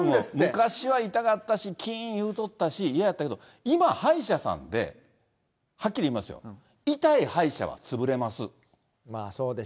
昔は痛かったし、きーんいうとったし、嫌やったけど、今、歯医者さんで、はっきり言いますよ、痛い歯医者は潰れます。